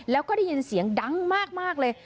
แล้วก็ได้ยินเสียงดังมากเลย